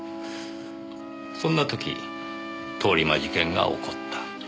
そんな時通り魔事件が起こった。